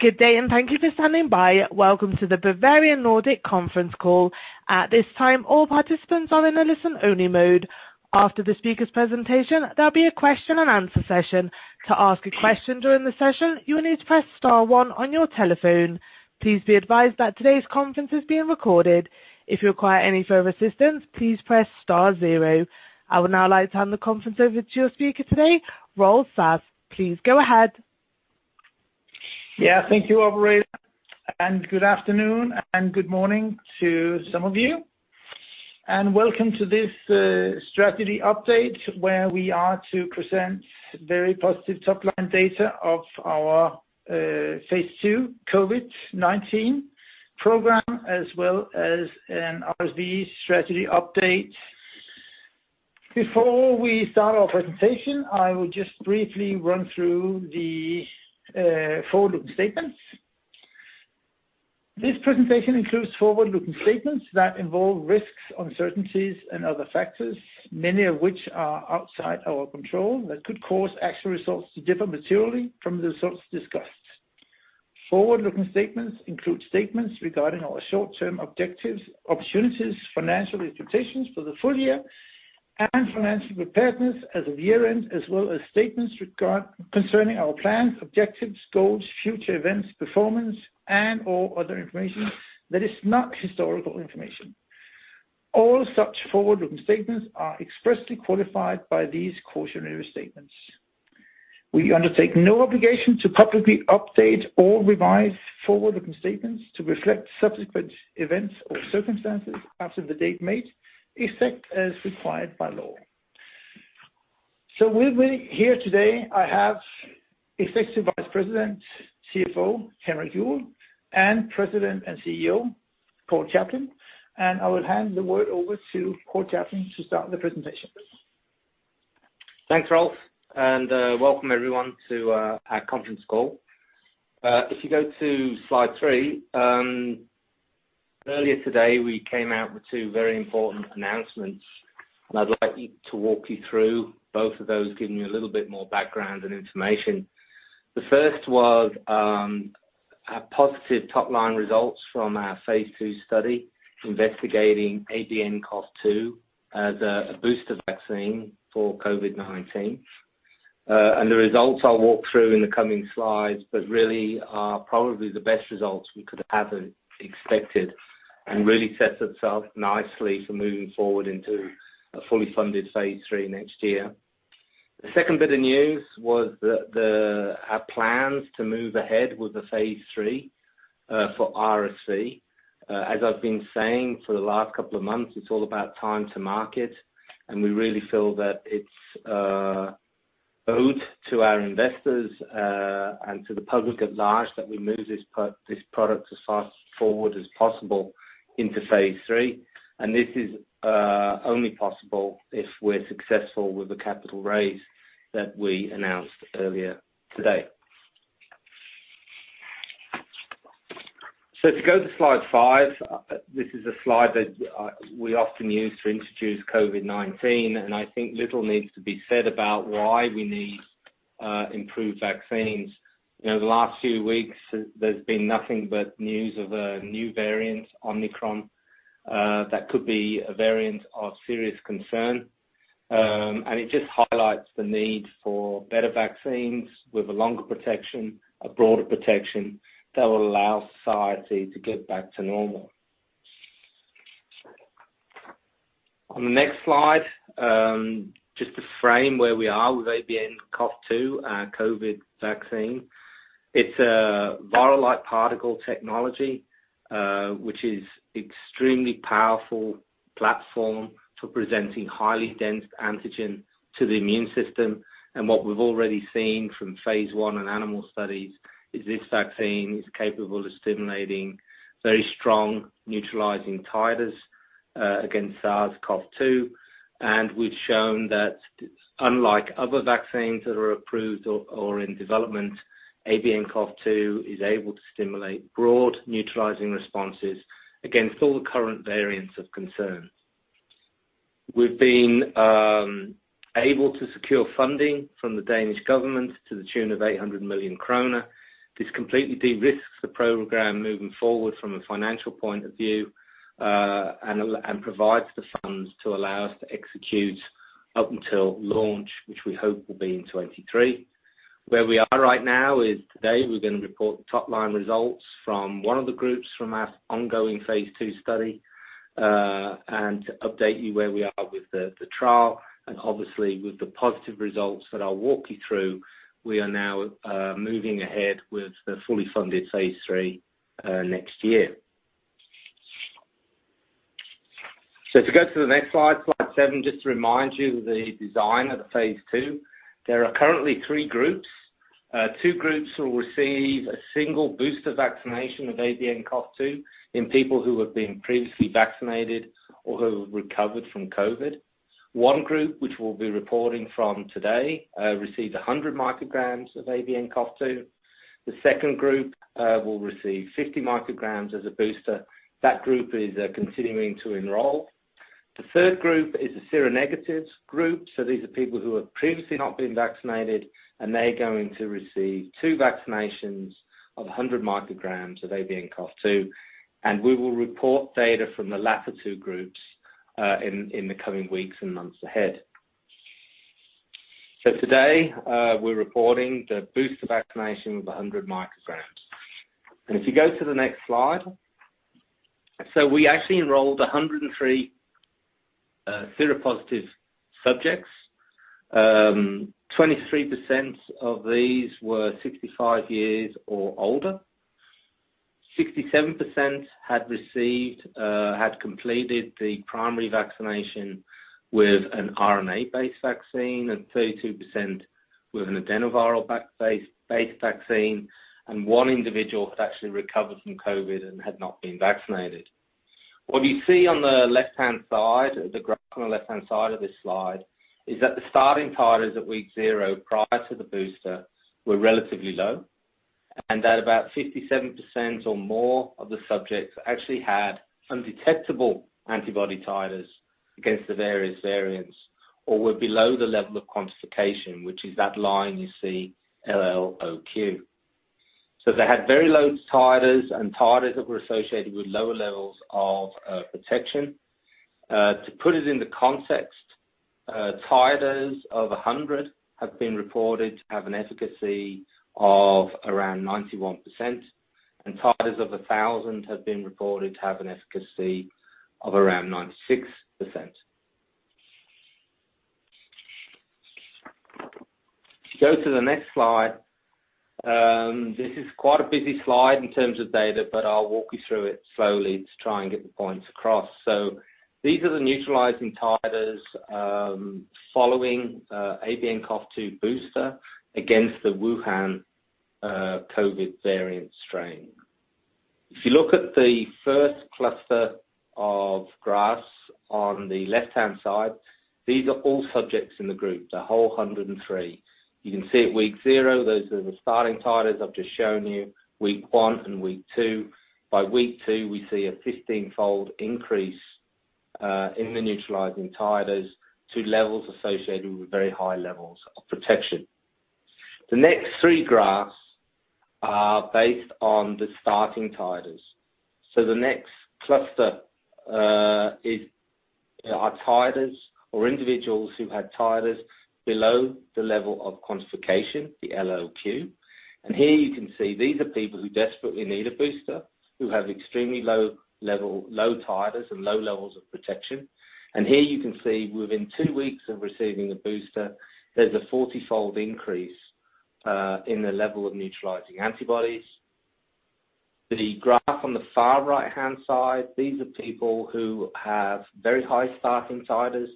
Good day, and thank you for standing by. Welcome to the Bavarian Nordic conference call. At this time, all participants are in a listen-only mode. After the speaker's presentation, there'll be a question-and-answer session. To ask a question during the session, you will need to press star one on your telephone. Please be advised that today's conference is being recorded. If you require any further assistance, please press star zero. I would now like to hand the conference over to your speaker today, Rolf Sass. Please go ahead. Yeah. Thank you, operator, and good afternoon, and good morning to some of you. Welcome to this strategy update, where we are to present very positive top-line data of our phase II COVID-19 program, as well as an RSV strategy update. Before we start our presentation, I will just briefly run through the forward-looking statements. This presentation includes forward-looking statements that involve risks, uncertainties, and other factors, many of which are outside our control that could cause actual results to differ materially from the results discussed. Forward-looking statements include statements regarding our short-term objectives, opportunities, financial expectations for the full year, and financial preparedness as of year-end, as well as statements concerning our plans, objectives, goals, future events, performance, and/or other information that is not historical information. All such forward-looking statements are expressly qualified by these cautionary statements. We undertake no obligation to publicly update or revise forward-looking statements to reflect subsequent events or circumstances after the date made, except as required by law. With me here today, I have Executive Vice President, CFO, Henrik Juuel, and President and CEO, Paul Chaplin. I will hand the word over to Paul Chaplin to start the presentation. Thanks, Rolf, and welcome everyone to our conference call. If you go to slide three, earlier today, we came out with two very important announcements, and I'd like to walk you through both of those, giving you a little bit more background and information. The first was our positive top-line results from our phase II study investigating ABNCoV2 as a booster vaccine for COVID-19. The results I'll walk through in the coming slides, but really are probably the best results we could have expected and really sets itself nicely for moving forward into a fully funded phase III next year. The second bit of news was our plans to move ahead with the phase III for RSV. As I've been saying for the last couple of months, it's all about time to market, and we really feel that it's owed to our investors and to the public at large that we move this product as fast forward as possible into phase III. This is only possible if we're successful with the capital raise that we announced earlier today. If you go to slide five, this is a slide that we often use to introduce COVID-19, and I think little needs to be said about why we need improved vaccines. You know, the last few weeks there's been nothing but news of a new variant, Omicron, that could be a variant of serious concern. It just highlights the need for better vaccines with a longer protection, a broader protection that will allow society to get back to normal. On the next slide, just to frame where we are with ABNCoV2, our COVID vaccine. It's a viral-like particle technology, which is extremely powerful platform for presenting highly dense antigen to the immune system. What we've already seen from phase I and animal studies is this vaccine is capable of stimulating very strong neutralizing titers, against SARS-CoV-2. We've shown that unlike other vaccines that are approved or in development, ABNCoV2 is able to stimulate broad neutralizing responses against all the current variants of concern. We've been able to secure funding from the Danish government to the tune of 800 million kroner. This completely de-risks the program moving forward from a financial point of view, and provides the funds to allow us to execute up until launch, which we hope will be in 2023. Where we are right now is today we're gonna report the top-line results from one of the groups from our ongoing phase II study, and to update you where we are with the trial. Obviously with the positive results that I'll walk you through, we are now moving ahead with the fully funded phase III next year. If you go to the next slide seven, just to remind you of the design of the phase II. There are currently three groups. Two groups will receive a single booster vaccination of ABNCoV2 in people who have been previously vaccinated or who have recovered from COVID. One group, which we'll be reporting from today, received 100 micrograms of ABNCoV2. The second group will receive 50 micrograms as a booster. That group is continuing to enroll. The third group is the seronegatives group. These are people who have previously not been vaccinated, and they're going to receive two vaccinations of 100 micrograms of ABNCoV2. We will report data from the latter two groups in the coming weeks and months ahead. Today, we're reporting the booster vaccination of 100 micrograms. If you go to the next slide. We actually enrolled 103 seropositive subjects. 23% of these were 65 years or older. 67% had completed the primary vaccination with an RNA-based vaccine and 32% with an adenoviral vector-based vaccine. One individual had actually recovered from COVID and had not been vaccinated. What we see on the left-hand side, the graph on the left-hand side of this slide, is that the starting titers at week zero prior to the booster were relatively low, and that about 57% or more of the subjects actually had undetectable antibody titers against the various variants or were below the level of quantification, which is that line you see, LLOQ. They had very low titers and titers that were associated with lower levels of protection. To put it into context, titers of 100 have been reported to have an efficacy of around 91%, and titers of 1,000 have been reported to have an efficacy of around 96%. If you go to the next slide. This is quite a busy slide in terms of data, but I'll walk you through it slowly to try and get the points across. These are the neutralizing titers following ABNCoV2 booster against the Wuhan COVID variant strain. If you look at the first cluster of graphs on the left-hand side, these are all subjects in the group, the whole 103. You can see at week zero, those are the starting titers I've just shown you, week one and week two. By week two, we see a 15-fold increase in the neutralizing titers to levels associated with very high levels of protection. The next three graphs are based on the starting titers. The next cluster are titers or individuals who had titers below the level of quantification, the LLOQ. Here you can see these are people who desperately need a booster, who have extremely low titers and low levels of protection. Here you can see within two weeks of receiving the booster, there's a 40-fold increase in the level of neutralizing antibodies. The graph on the far right-hand side, these are people who have very high starting titers,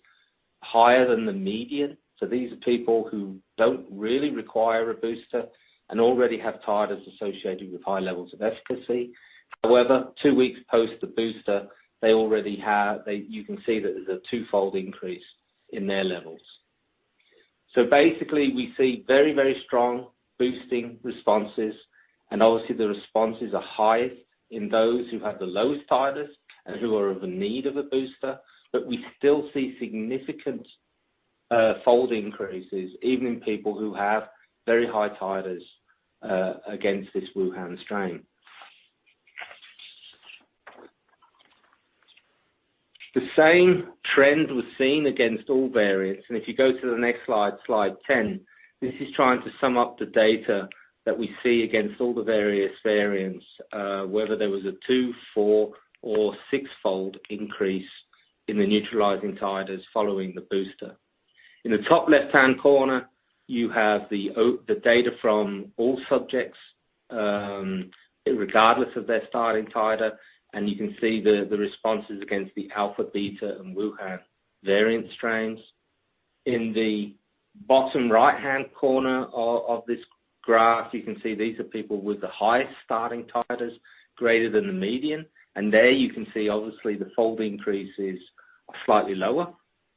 higher than the median. These are people who don't really require a booster and already have titers associated with high levels of efficacy. However, two weeks post the booster, they already have. You can see that there's a two-fold increase in their levels. Basically we see very, very strong boosting responses, and obviously the responses are highest in those who have the lowest titers and who are in need of a booster. We still see significant fold increases even in people who have very high titers against this Wuhan strain. The same trend was seen against all variants. If you go to the next slide 10, this is trying to sum up the data that we see against all the various variants, whether there was a two, four or six-fold increase in the neutralizing titers following the booster. In the top left-hand corner, you have the data from all subjects, irregardless of their starting titer, and you can see the responses against the Alpha, Beta, and Wuhan variant strains. In the bottom right-hand corner of this graph, you can see these are people with the highest starting titers greater than the median. There you can see obviously the fold increases are slightly lower,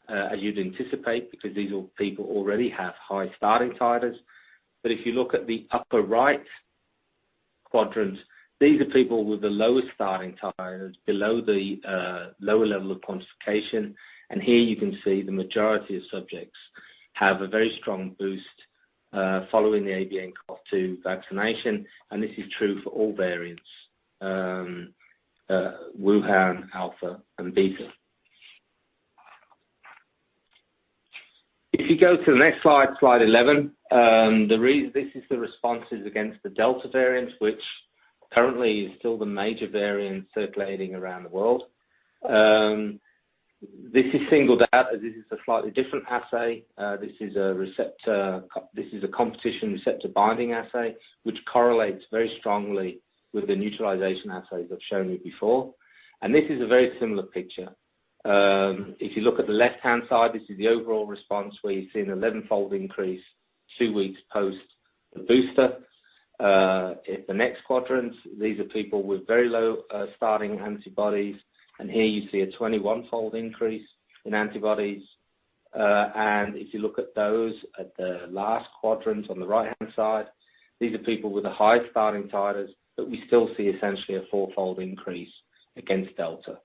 as you'd anticipate, because these all people already have high starting titers. If you look at the upper right quadrants, these are people with the lowest starting titers below the lower level of quantification. Here you can see the majority of subjects have a very strong boost following the ABNCoV2 vaccination, and this is true for all variants, Wuhan, Alpha and Beta. If you go to the next slide 11, this is the responses against the Delta variant, which currently is still the major variant circulating around the world. This is singled out as this is a slightly different assay. This is a competition receptor binding assay, which correlates very strongly with the neutralization assays I've shown you before. This is a very similar picture. If you look at the left-hand side, this is the overall response where you've seen 11-fold increase two weeks post the booster. At the next quadrant, these are people with very low starting antibodies, and here you see a 21-fold increase in antibodies. If you look at those at the last quadrant on the right-hand side, these are people with the highest starting titers, but we still see essentially a four-fold increase against Delta.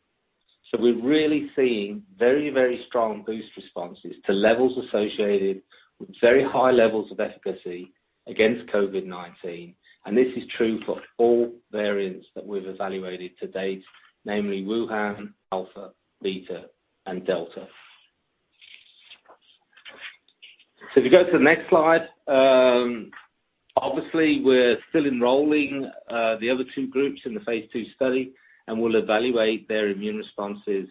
We're really seeing very, very strong boost responses to levels associated with very high levels of efficacy against COVID-19, and this is true for all variants that we've evaluated to date, namely Wuhan, Alpha, Beta, and Delta. If you go to the next slide, obviously we're still enrolling the other two groups in the phase II study, and we'll evaluate their immune responses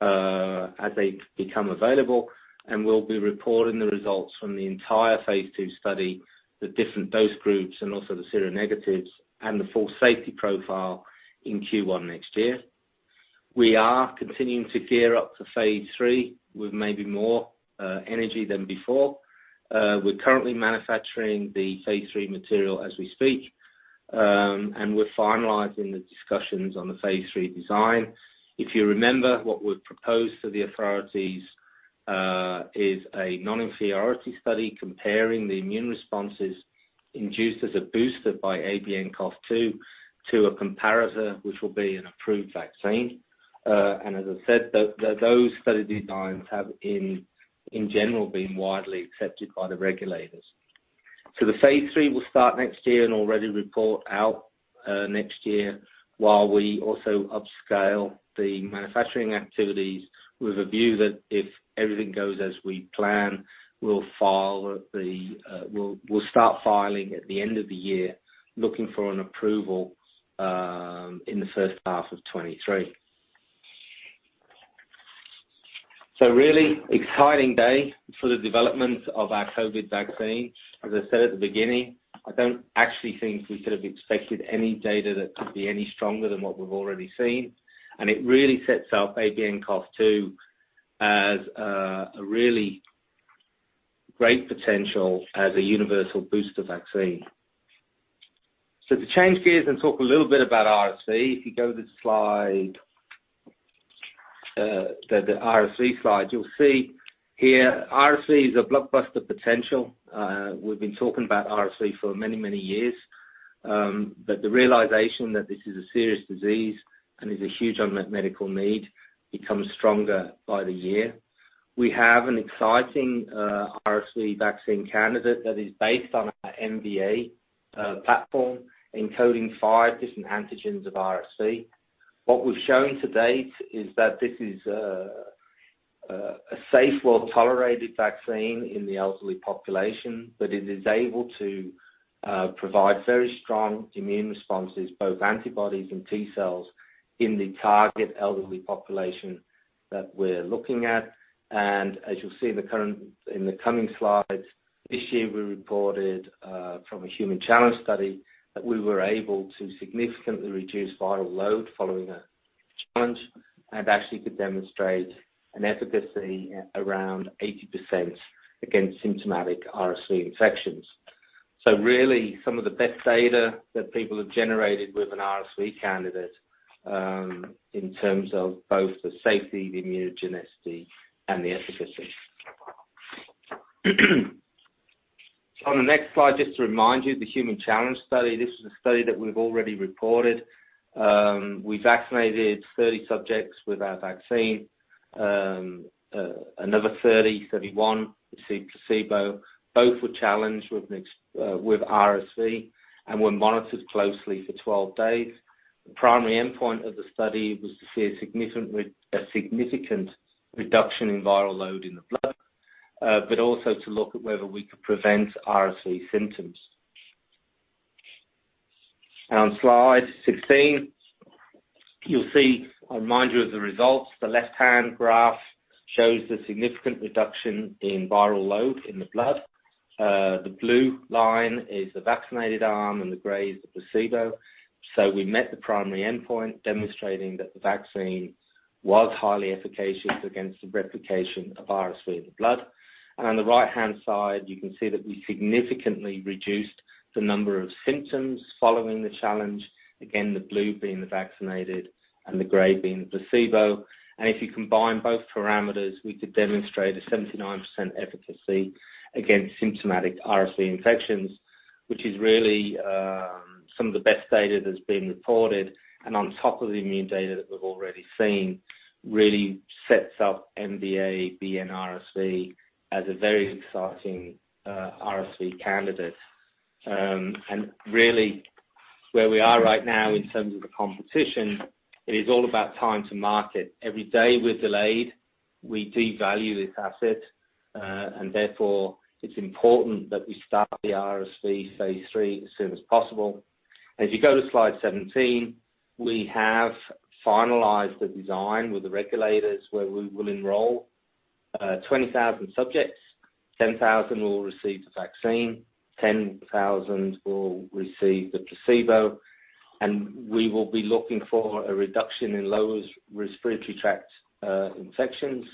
as they become available, and we'll be reporting the results from the entire phase II study, the different dose groups, and also the seronegatives, and the full safety profile in Q1 next year. We are continuing to gear up for phase III with maybe more energy than before. We're currently manufacturing the phase III material as we speak, and we're finalizing the discussions on the phase III design. If you remember, what we've proposed to the authorities is a non-inferiority study comparing the immune responses induced as a booster by ABNCoV2 to a comparator, which will be an approved vaccine. As I said, those study designs have, in general, been widely accepted by the regulators. The phase III will start next year and already report out next year, while we also upscale the manufacturing activities with a view that if everything goes as we plan, we'll start filing at the end of the year, looking for an approval in the first half of 2023. Really exciting day for the development of our COVID-19 vaccine. As I said at the beginning, I don't actually think we could have expected any data that could be any stronger than what we've already seen, and it really sets up ABNCoV2 as a really great potential as a universal booster vaccine. To change gears and talk a little bit about RSV, if you go to the slide, the RSV slide, you'll see here RSV is a blockbuster potential. We've been talking about RSV for many years. But the realization that this is a serious disease and is a huge unmet medical need becomes stronger by the year. We have an exciting RSV vaccine candidate that is based on our MVA platform encoding five different antigens of RSV. What we've shown to date is that this is a safe, well-tolerated vaccine in the elderly population, but it is able to provide very strong immune responses, both antibodies and T-cells, in the target elderly population that we're looking at. As you'll see in the coming slides, this year we reported from a human challenge study that we were able to significantly reduce viral load following a challenge, and actually could demonstrate an efficacy at around 80% against symptomatic RSV infections. Really some of the best data that people have generated with an RSV candidate in terms of both the safety, the immunogenicity, and the efficacy. On the next slide, just to remind you, the human challenge study. This is a study that we've already reported. We vaccinated 30 subjects with our vaccine. Another 31 received placebo. Both were challenged with RSV and were monitored closely for 12 days. The primary endpoint of the study was to see a significant reduction in viral load in the blood, but also to look at whether we could prevent RSV symptoms. On slide 16, you'll see a reminder of the results. The left-hand graph shows the significant reduction in viral load in the blood. The blue line is the vaccinated arm, and the gray is the placebo. We met the primary endpoint demonstrating that the vaccine was highly efficacious against the replication of RSV in the blood. On the right-hand side, you can see that we significantly reduced the number of symptoms following the challenge. Again, the blue being the vaccinated and the gray being the placebo. If you combine both parameters, we could demonstrate a 79% efficacy against symptomatic RSV infections, which is really some of the best data that's been reported. On top of the immune data that we've already seen, really sets up MVA-BN RSV as a very exciting RSV candidate. Really where we are right now in terms of the competition, it is all about time to market. Every day we're delayed, we devalue this asset, and therefore it's important that we start the RSV phase III as soon as possible. If you go to slide 17, we have finalized the design with the regulators where we will enroll 20,000 subjects. 10,000 will receive the vaccine, 10,000 will receive the placebo, and we will be looking for a reduction in lower respiratory tract infections.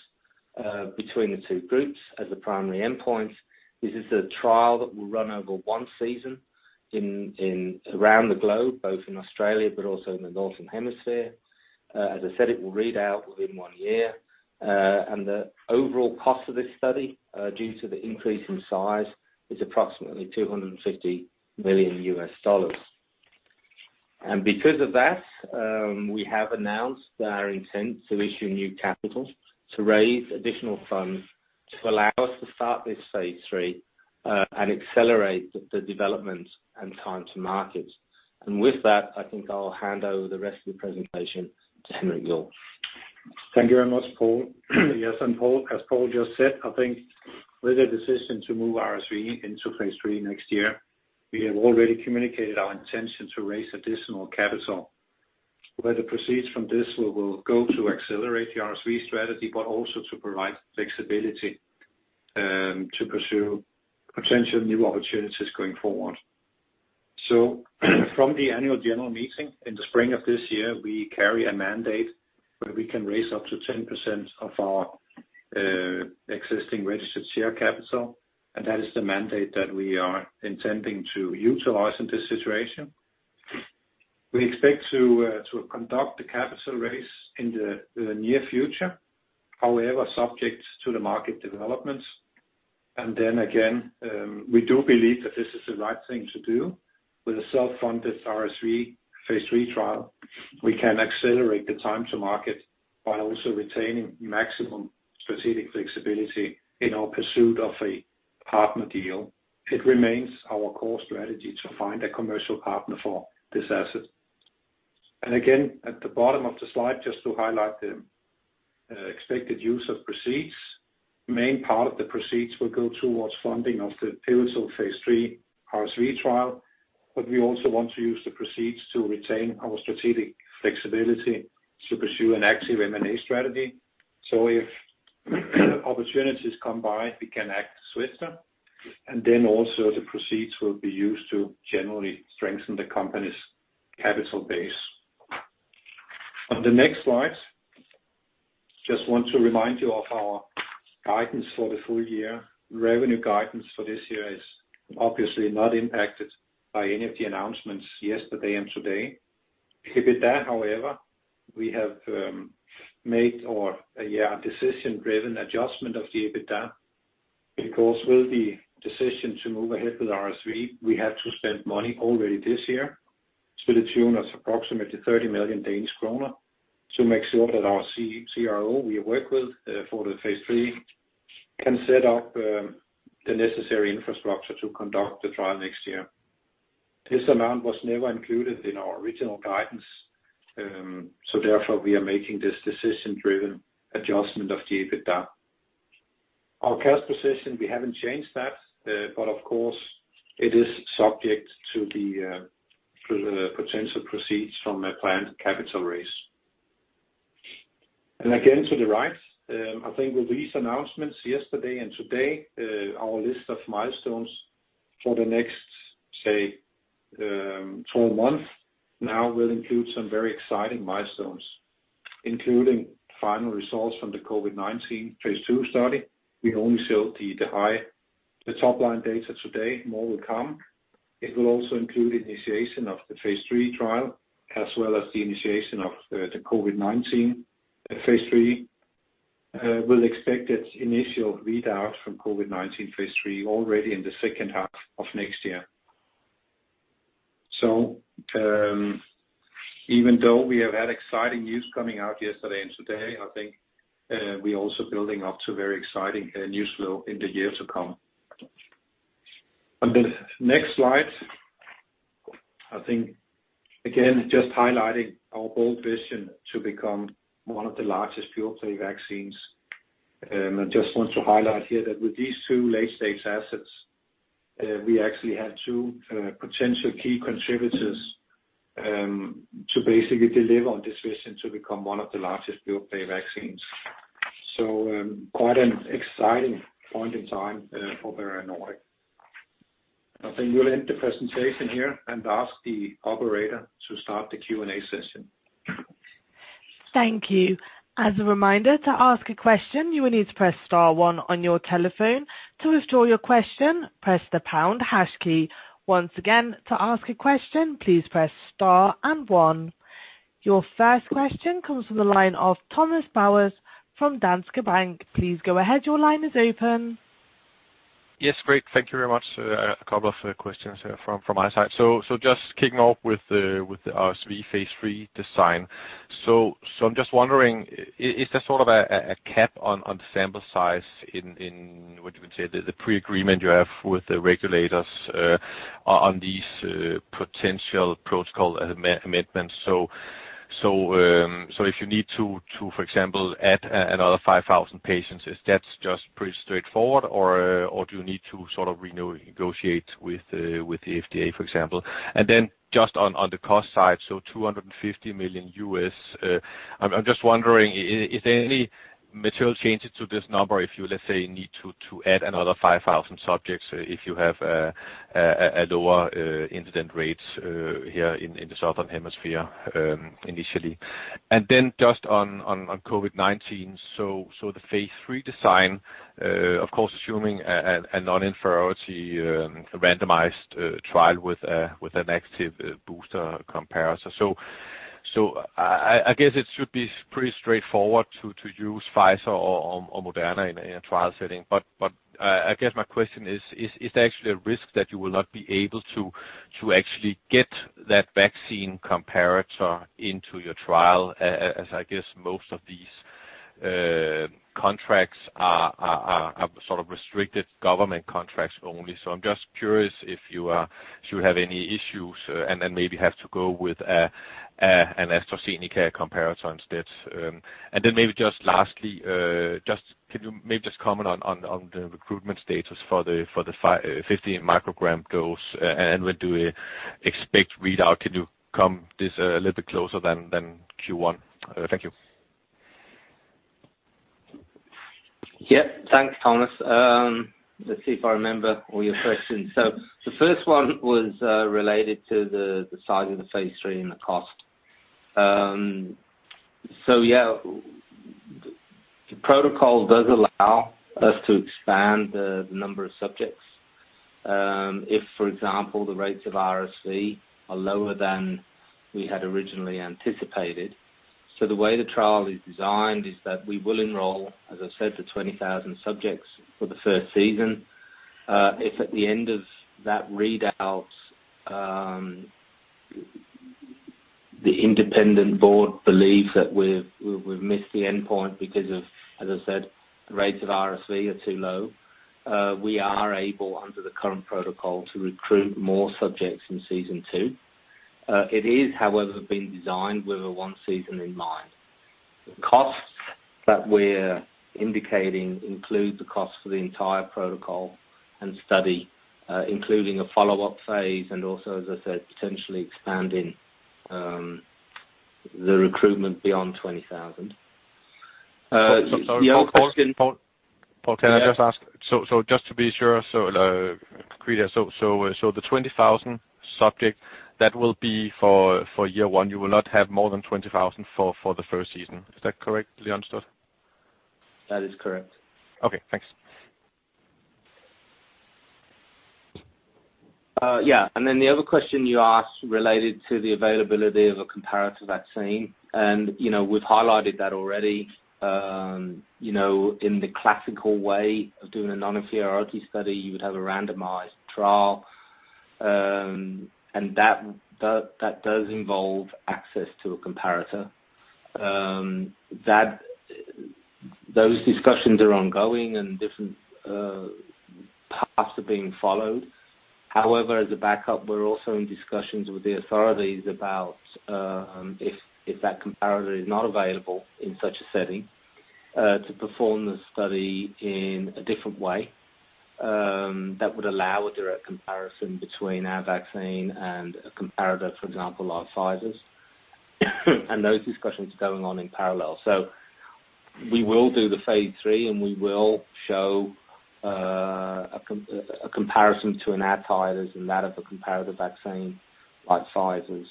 Between the two groups as the primary endpoints. This is a trial that will run over one season in and around the globe, both in Australia but also in the Northern Hemisphere. As I said, it will read out within one year. The overall cost of this study, due to the increase in size, is approximately $250 million. Because of that, we have announced our intent to issue new capital to raise additional funds to allow us to start this phase III and accelerate the development and time to market. With that, I think I'll hand over the rest of the presentation to Henrik Juuel. Thank you very much, Paul. Yes, Paul, as Paul just said, I think with a decision to move RSV into phase III next year, we have already communicated our intention to raise additional capital, where the proceeds from this will go to accelerate the RSV strategy, but also to provide flexibility to pursue potential new opportunities going forward. From the annual general meeting in the spring of this year, we carry a mandate where we can raise up to 10% of our existing registered share capital, and that is the mandate that we are intending to utilize in this situation. We expect to conduct the capital raise in the near future, however, subject to the market developments. We do believe that this is the right thing to do. With a self-funded RSV phase III trial, we can accelerate the time to market while also retaining maximum strategic flexibility in our pursuit of a partner deal. It remains our core strategy to find a commercial partner for this asset. Again, at the bottom of the slide, just to highlight the expected use of proceeds. Main part of the proceeds will go towards funding of the pivotal phase III RSV trial. We also want to use the proceeds to retain our strategic flexibility to pursue an active M&A strategy. If opportunities come by, we can act swiftly. Then also the proceeds will be used to generally strengthen the company's capital base. On the next slide, just want to remind you of our guidance for the full year. Revenue guidance for this year is obviously not impacted by any of the announcements yesterday and today. EBITDA, however, we have made a decision-driven adjustment of the EBITDA because with the decision to move ahead with RSV, we had to spend money already this year. To the tune of approximately 30 million Danish kroner to make sure that our CRO we work with for the phase III can set up the necessary infrastructure to conduct the trial next year. This amount was never included in our original guidance, so therefore, we are making this decision-driven adjustment of the EBITDA. Our cash position, we haven't changed that, but of course, it is subject to the potential proceeds from a planned capital raise. Again, to the right, I think with these announcements yesterday and today, our list of milestones for the next, say, 12 months now will include some very exciting milestones, including final results from the COVID-19 phase II study. We only showed the top line data today. More will come. It will also include initiation of the phase III trial, as well as the initiation of the COVID-19 phase III. We'll expect that initial readout from COVID-19 phase III already in the second half of next year. Even though we have had exciting news coming out yesterday and today, I think, we're also building up to very exciting, news flow in the year to come. On the next slide, I think, again, just highlighting our bold vision to become one of the largest pure-play vaccines. I just want to highlight here that with these two late-stage assets, we actually have two potential key contributors to basically deliver on this vision to become one of the largest pure-play vaccines. Quite an exciting point in time for Bavarian Nordic. I think we'll end the presentation here and ask the operator to start the Q&A session. Thank you. As a reminder, to ask a question, you will need to press star one on your telephone. To withdraw your question, press the pound hash key. Once again, to ask a question, please press star and one. Your first question comes from the line of Thomas Bowers from Danske Bank. Please go ahead. Your line is open. Yes. Great. Thank you very much. A couple of questions from my side. Just kicking off with the RSV phase III design. I'm just wondering, is there sort of a cap on the sample size in what you would say the pre-agreement you have with the regulators on these potential protocol amendments? If you need to, for example, add another 5,000 patients, is that just pretty straightforward, or do you need to sort of renegotiate with the FDA, for example? On the cost side, $250 million. I'm just wondering is there any material changes to this number if you, let's say, need to add another 5,000 subjects if you have a lower incidence rates here in the southern hemisphere initially? On COVID-19. The phase III design, of course, assuming a non-inferiority randomized trial with an active booster comparison. I guess it should be pretty straightforward to use Pfizer or Moderna in a trial setting. I guess my question is there actually a risk that you will not be able to actually get that vaccine comparator into your trial? As I guess most of these contracts are sort of restricted government contracts only. I'm just curious if you have any issues and then maybe have to go with an AstraZeneca comparator instead. And then maybe just lastly, just can you maybe just comment on the recruitment status for the 50 microgram dose and when do you expect readout? Can you come this a little bit closer than Q1? Thank you. Yeah. Thanks, Thomas. Let's see if I remember all your questions. The first one was related to the size of the phase III and the cost. The protocol does allow us to expand the number of subjects if, for example, the rates of RSV are lower than we had originally anticipated. The way the trial is designed is that we will enroll, as I said, 20,000 subjects for the first season. If at the end of that readout the independent board believes that we've missed the endpoint because of, as I said, rates of RSV are too low, we are able, under the current protocol, to recruit more subjects in season two. It is, however, been designed with a one season in mind. The costs that we're indicating include the cost for the entire protocol and study, including a follow-up phase and also, as I said, potentially expanding, the recruitment beyond 20,000. The other question- Paul, can I just ask? Yeah. Just to be sure, so clear. The 20,000 subjects, that will be for year one, you will not have more than 20,000 for the first season. Is that correctly understood? That is correct. Okay, thanks. Yeah. Then the other question you asked related to the availability of a comparative vaccine, and, you know, we've highlighted that already. You know, in the classical way of doing a non-inferiority study, you would have a randomized trial. That does involve access to a comparator. Those discussions are ongoing and different paths are being followed. However, as a backup, we're also in discussions with the authorities about if that comparator is not available in such a setting to perform the study in a different way that would allow a direct comparison between our vaccine and a comparator, for example, like Pfizer's. Those discussions are going on in parallel. We will do the phase III, and we will show a comparison to an antibody as in that of a comparative vaccine like Pfizer's.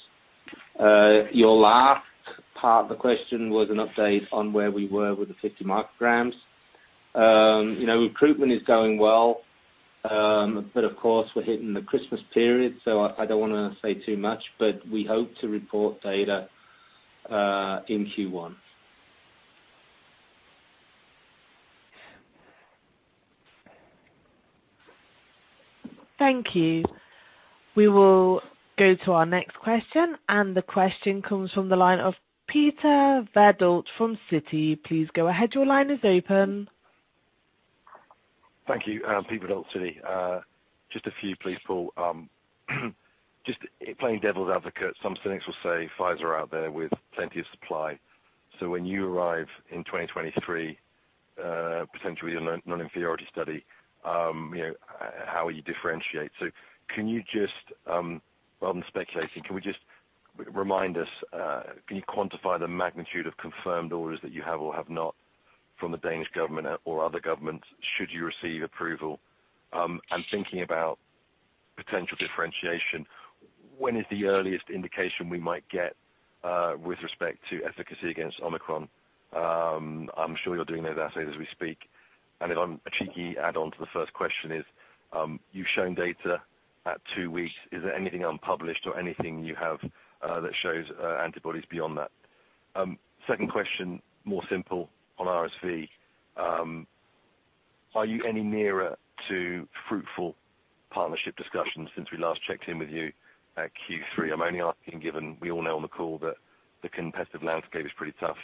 Your last part of the question was an update on where we were with the 50 micrograms. You know, recruitment is going well, but of course we're hitting the Christmas period, so I don't wanna say too much, but we hope to report data in Q1. Thank you. We will go to our next question, and the question comes from the line of Peter Verdult from Citi. Please go ahead. Your line is open. Thank you. Peter Verdult, Citi. Just a few please, Paul. Just playing devil's advocate, some cynics will say Pfizer are out there with plenty of supply. When you arrive in 2023, potentially a non-inferiority study, you know, how will you differentiate? Can you just, rather than speculating, remind us, can you quantify the magnitude of confirmed orders that you have or have not from the Danish government or other governments should you receive approval? Thinking about potential differentiation, when is the earliest indication we might get with respect to efficacy against Omicron? I'm sure you're doing those assays as we speak. A cheeky add on to the first question is, you've shown data at two weeks. Is there anything unpublished or anything you have that shows antibodies beyond that? Second question, more simple on RSV. Are you any nearer to fruitful partnership discussions since we last checked in with you at Q3? I'm only asking, given we all know on the call that the competitive landscape is pretty tough.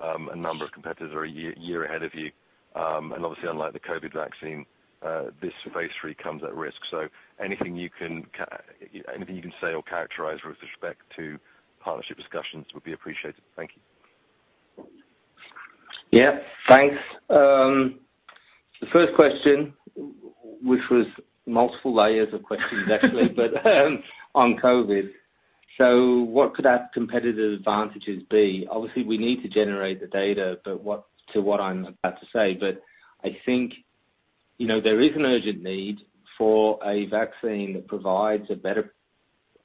A number of competitors are a year ahead of you. Obviously unlike the COVID vaccine, this phase III comes at risk. Anything you can say or characterize with respect to partnership discussions would be appreciated. Thank you. Yeah. Thanks. The first question, which was multiple layers of questions actually but, on COVID. What could our competitive advantages be? Obviously, we need to generate the data, but to what I'm about to say, but I think you know, there is an urgent need for a vaccine that provides a better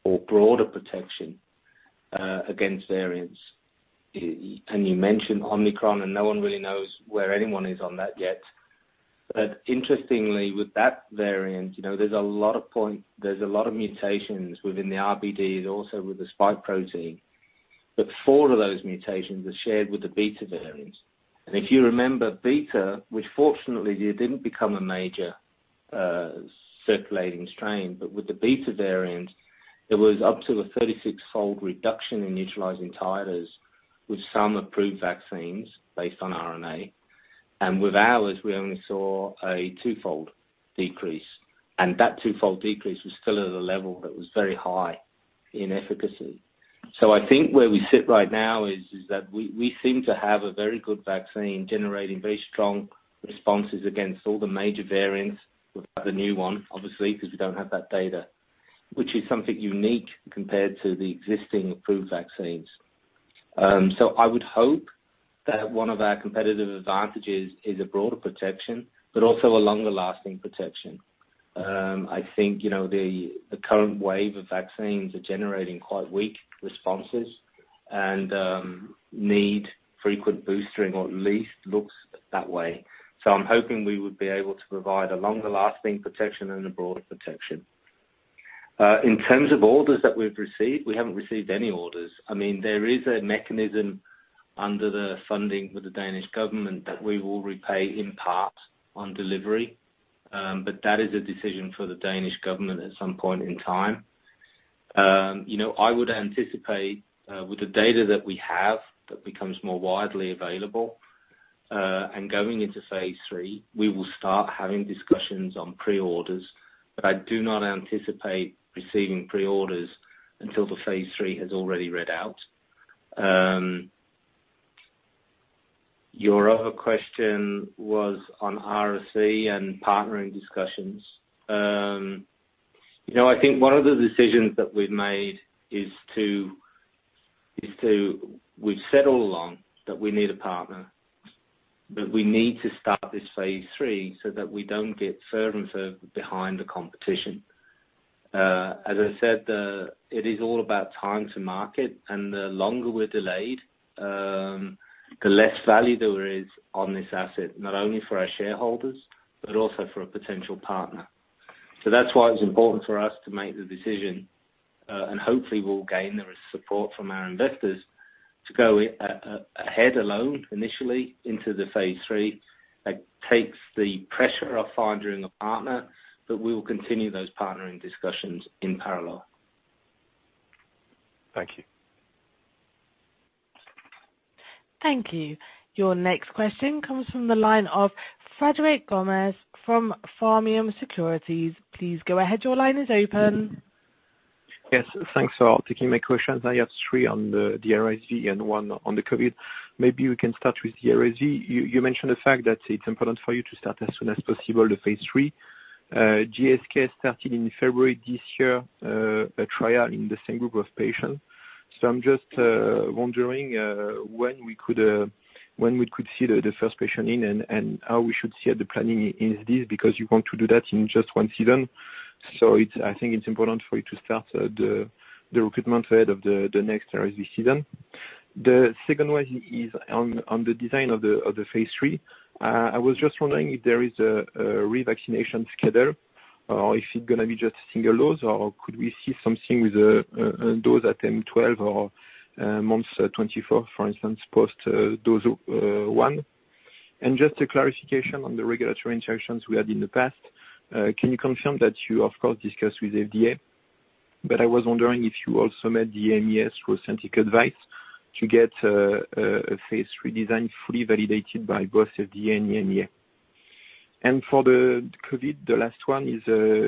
or broader protection against variants. You mentioned Omicron, and no one really knows where anyone is on that yet. Interestingly, with that variant, you know, there's a lot of mutations within the RBD, also with the spike protein. Four of those mutations are shared with the Beta variants. If you remember Beta, which fortunately, it didn't become a major circulating strain, but with the Beta variant, it was up to a 36-fold reduction in neutralizing titers with some approved vaccines based on RNA. With ours, we only saw a twofold decrease, and that twofold decrease was still at a level that was very high in efficacy. I think where we sit right now is that we seem to have a very good vaccine generating very strong responses against all the major variants without the new one, obviously, because we don't have that data, which is something unique compared to the existing approved vaccines. I would hope that one of our competitive advantages is a broader protection, but also a longer-lasting protection. I think, you know, the current wave of vaccines are generating quite weak responses and need frequent boostering, or at least looks that way. I'm hoping we would be able to provide a longer-lasting protection and a broader protection. In terms of orders that we've received, we haven't received any orders. I mean, there is a mechanism under the funding with the Danish government that we will repay in part on delivery. That is a decision for the Danish government at some point in time. You know, I would anticipate, with the data that we have that becomes more widely available, and going into phase III, we will start having discussions on pre-orders. I do not anticipate receiving pre-orders until the phase III has already read out. Your other question was on RSV and partnering discussions. You know, I think one of the decisions that we've made. We've said all along that we need a partner, but we need to start this phase III so that we don't get further and further behind the competition. As I said, it is all about time to market, and the longer we're delayed, the less value there is on this asset, not only for our shareholders, but also for a potential partner. That's why it's important for us to make the decision, and hopefully we'll gain the support from our investors to go ahead alone initially into phase III. That takes the pressure off finding a partner, but we will continue those partnering discussions in parallel. Thank you. Thank you. Your next question comes from the line of Frédéric Gomez from Pharmium Securities. Please go ahead. Your line is open. Yes. Thanks for taking my questions. I have three on the RSV and one on the COVID. Maybe we can start with the RSV. You mentioned the fact that it's important for you to start as soon as possible the phase III. GSK started in February this year a trial in the same group of patients. I'm just wondering when we could see the first patient in and how we should see the planning in this, because you want to do that in just one season. I think it's important for you to start the recruitment ahead of the next RSV season. The second one is on the design of the phase III. I was just wondering if there is a revaccination schedule or if it's gonna be just single dose, or could we see something with a dose at M 12 or months 24, for instance, post dose one? Just a clarification on the regulatory interactions we had in the past. Can you confirm that you, of course, discussed with FDA? I was wondering if you also met the EMA scientific advice to get a phase III design fully validated by both FDA and EMA. For the COVID, the last one is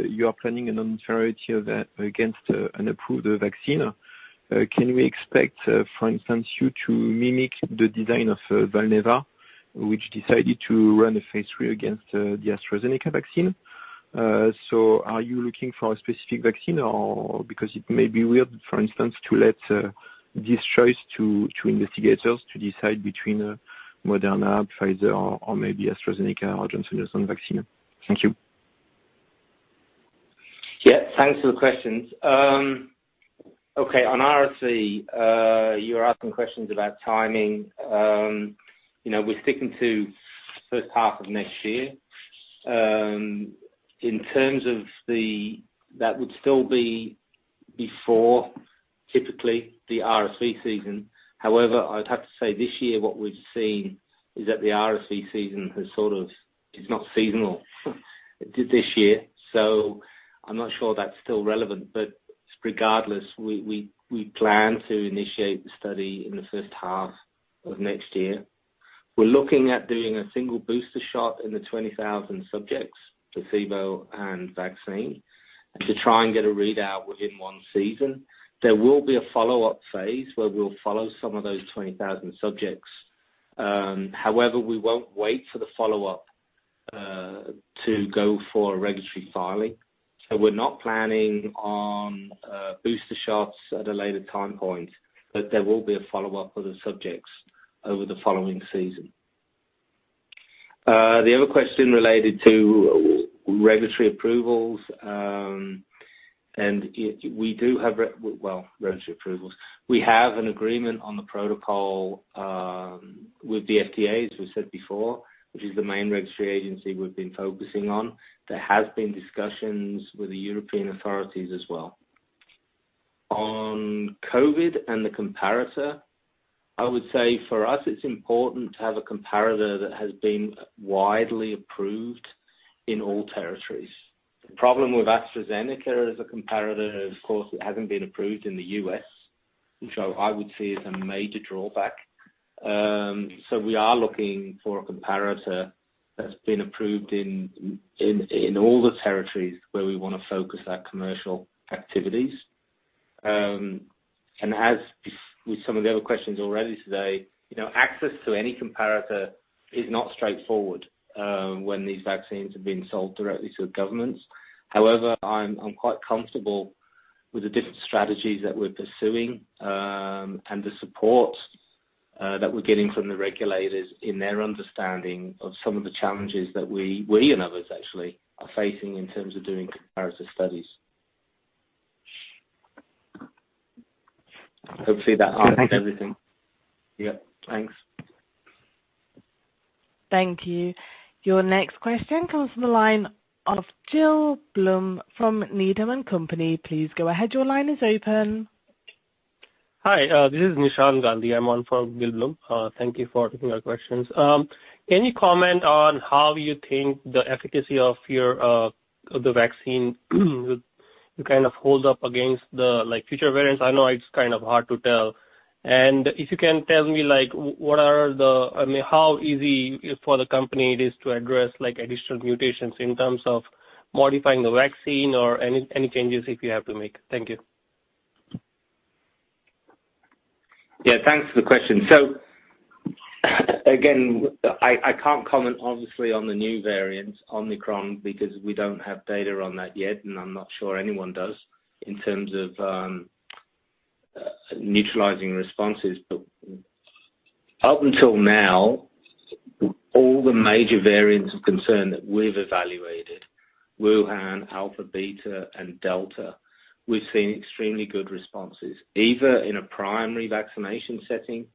you are planning a non-inferiority against an approved vaccine. Can we expect, for instance, you to mimic the design of Valneva, which decided to run a phase III against the AstraZeneca vaccine? Are you looking for a specific vaccine or, because it may be weird, for instance, to let this choice to investigators to decide between Moderna, Pfizer or maybe AstraZeneca or Johnson & Johnson vaccine? Thank you. Yeah, thanks for the questions. Okay, on RSV, you're asking questions about timing. You know, we're sticking to first half of next year. That would still be before typically the RSV season. However, I'd have to say this year, what we've seen is that the RSV season has sort of, it's not seasonal this year, so I'm not sure that's still relevant. Regardless, we plan to initiate the study in the first half of next year. We're looking at doing a single booster shot in the 20,000 subjects, placebo and vaccine, to try and get a readout within one season. There will be a follow-up phase where we'll follow some of those 20,000 subjects. However, we won't wait for the follow-up to go for a regulatory filing. We're not planning on booster shots at a later time point, but there will be a follow-up with the subjects over the following season. The other question related to regulatory approvals, and we do have regulatory approvals. We have an agreement on the protocol with the FDA, as we said before, which is the main regulatory agency we've been focusing on. There has been discussions with the European authorities as well. On COVID and the comparator, I would say for us it's important to have a comparator that has been widely approved in all territories. The problem with AstraZeneca as a comparator, of course, it hasn't been approved in the U.S., which I would see as a major drawback. We are looking for a comparator that's been approved in all the territories where we wanna focus our commercial activities. With some of the other questions already today, you know, access to any comparator is not straightforward when these vaccines are being sold directly to governments. However, I'm quite comfortable with the different strategies that we're pursuing and the support that we're getting from the regulators in their understanding of some of the challenges that we and others actually are facing in terms of doing comparator studies. Hopefully that answered everything. Yeah. Thanks. Thank you. Your next question comes from the line of Gil Blum from Needham & Company. Please go ahead. Your line is open. Hi, this is Nishant Gandhi. I'm on for Gil Blum. Thank you for taking our questions. Any comment on how you think the efficacy of your vaccine will kind of hold up against the like future variants? I know it's kind of hard to tell. If you can tell me like what are the... I mean, how easy for the company it is to address like additional mutations in terms of modifying the vaccine or any changes if you have to make. Thank you. Yeah, thanks for the question. Again, I can't comment obviously on the new variant, Omicron, because we don't have data on that yet, and I'm not sure anyone does in terms of neutralizing responses. Up until now, all the major variants of concern that we've evaluated, Wuhan, Alpha, Beta, and Delta, we've seen extremely good responses, either in a primary vaccination setting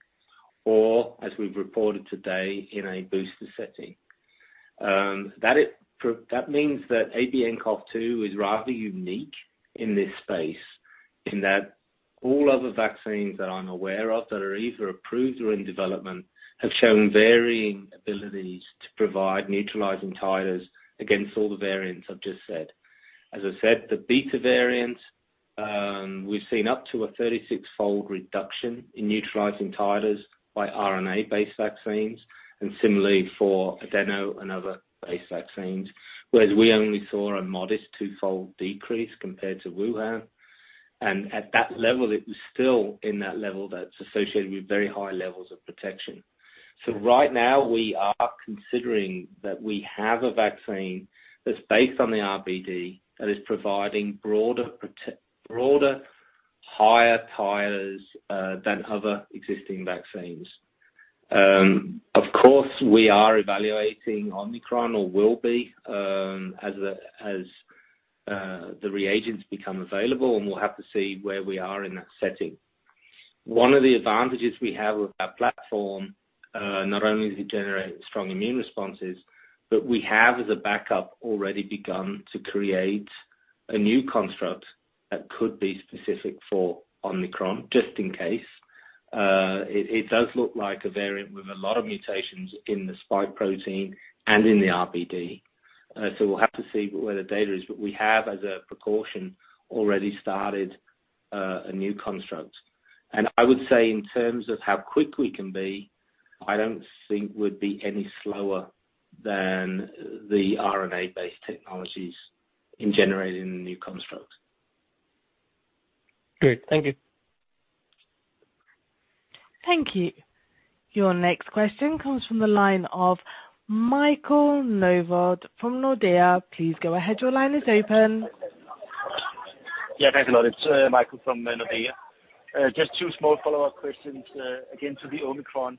or, as we've reported today, in a booster setting. That means that ABNCoV2 rather unique in this space in that all other vaccines that I'm aware of that are either approved or in development have shown varying abilities to provide neutralizing titers against all the variants I've just said. As I said, the Beta variant, we've seen up to a 36-fold reduction in neutralizing titers by RNA-based vaccines and similarly for Adeno and other based vaccines. Whereas we only saw a modest twofold decrease compared to Wuhan. At that level, it was still in that level that's associated with very high levels of protection. Right now we are considering that we have a vaccine that's based on the RBD that is providing broader higher titers than other existing vaccines. Of course, we are evaluating Omicron or will be, as the reagents become available, and we'll have to see where we are in that setting. One of the advantages we have with our platform, not only does it generate strong immune responses, but we have as a backup already begun to create a new construct that could be specific for Omicron, just in case. It does look like a variant with a lot of mutations in the spike protein and in the RBD, so we'll have to see where the data is. We have, as a precaution, already started a new construct. I would say in terms of how quick we can be, I don't think we'd be any slower than the RNA-based technologies in generating the new construct. Great. Thank you. Thank you. Your next question comes from the line of Michael Novod from Nordea. Please go ahead. Your line is open. Yeah, thanks a lot. It's Michael from Nordea. Just two small follow-up questions again to the Omicron.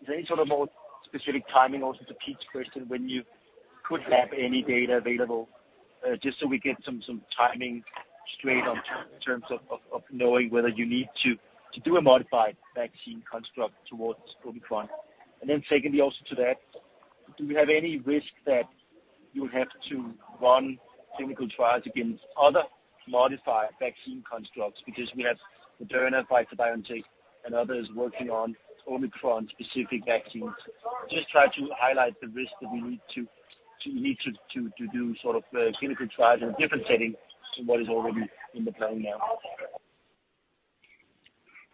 Is there any sort of more specific timing also to Pete's question, when you could have any data available, just so we get some timing straight on terms of knowing whether you need to do a modified vaccine construct towards Omicron? And then secondly, also to that, do you have any risk that you would have to run clinical trials against other modified vaccine constructs? Because we have Moderna, BioNTech, and others working on Omicron-specific vaccines. Just try to highlight the risk that we need to do sort of clinical trials in a different setting to what is already in the plan now.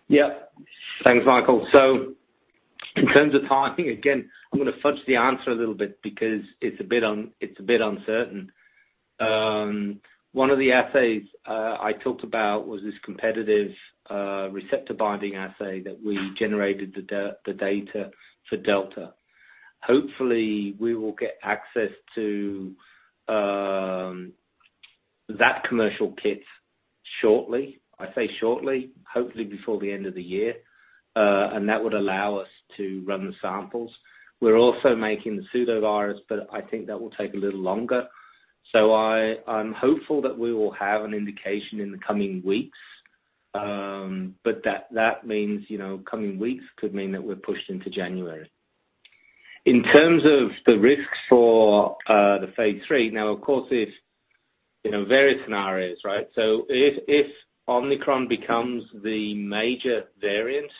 Yeah. Thanks, Michael. So in terms of timing, again, I'm gonna fudge the answer a little bit because it's a bit uncertain. One of the assays I talked about was this competitive receptor binding assay that we generated the data for Delta. Hopefully, we will get access to that commercial kit shortly. I say shortly, hopefully before the end of the year. And that would allow us to run the samples. We're also making the pseudovirus, but I think that will take a little longer. I'm hopeful that we will have an indication in the coming weeks. But that means, you know, coming weeks could mean that we're pushed into January. In terms of the risks for the phase III. Now, of course, if, you know, various scenarios, right? If Omicron becomes the major variant,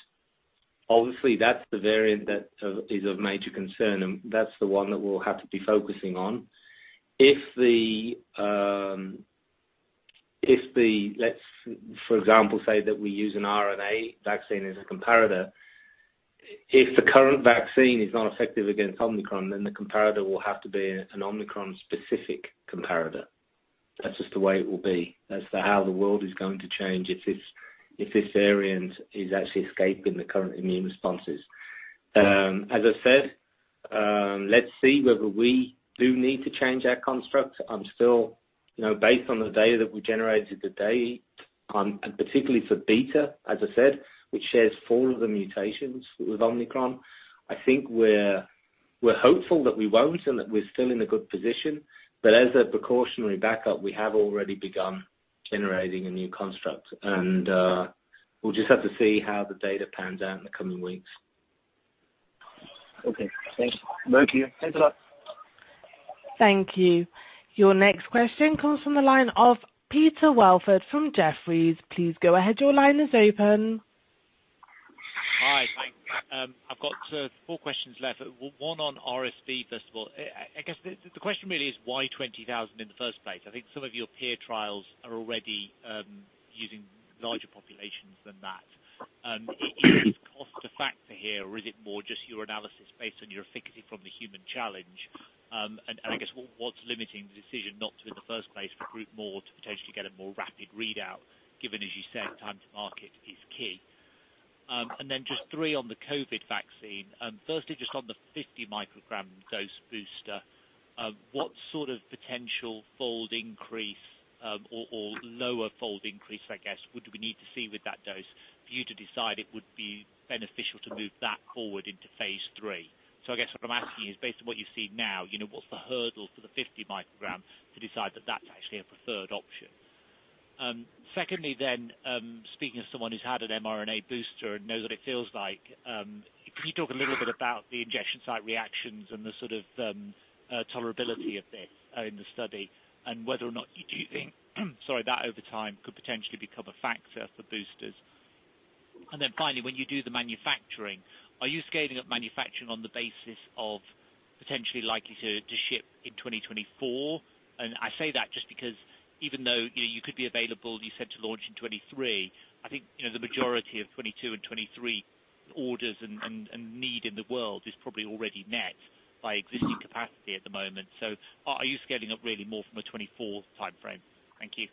obviously that's the variant that is of major concern, and that's the one that we'll have to be focusing on. Let's, for example, say that we use an RNA vaccine as a comparator. If the current vaccine is not effective against Omicron, then the comparator will have to be an Omicron specific comparator. That's just the way it will be. That's how the world is going to change if this variant is actually escaping the current immune responses. As I said, let's see whether we do need to change our construct. I'm still... You know, based on the data that we generated today, and particularly for Beta, as I said, which shares four of the mutations with Omicron, I think we're hopeful that we won't and that we're still in a good position. As a precautionary backup, we have already begun generating a new construct. We'll just have to see how the data pans out in the coming weeks. Okay, thanks. Thank you. Thanks a lot. Thank you. Your next question comes from the line of Peter Welford from Jefferies. Please go ahead. Your line is open. Hi. Thank you. I've got four questions left, one on RSV, first of all. I guess the question really is why 20,000 in the first place? I think some of your peer trials are already using larger populations than that. Is cost a factor here, or is it more just your analysis based on your efficacy from the human challenge? And I guess what's limiting the decision not to, in the first place, recruit more to potentially get a more rapid readout, given, as you said, time to market is key. Then just three on the COVID vaccine. Firstly, just on the 50 microgram dose booster, what sort of potential fold increase or lower fold increase, I guess, would we need to see with that dose for you to decide it would be beneficial to move that forward into phase III? I guess what I'm asking is, based on what you see now, you know, what's the hurdle for the 50 microgram to decide that that's actually a preferred option? Secondly then, speaking as someone who's had an mRNA booster and knows what it feels like, can you talk a little bit about the injection site reactions and the sort of tolerability of this in the study, and whether or not you do think, sorry, that over time could potentially become a factor for boosters. Finally, when you do the manufacturing, are you scaling up manufacturing on the basis of potentially likely to ship in 2024? I say that just because even though, you know, you could be available, you said to launch in 2023, I think, you know, the majority of 2022 and 2023 orders and need in the world is probably already met by existing capacity at the moment. Are you scaling up really more from a 2024 timeframe? Thank you.